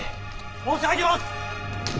申し上げます！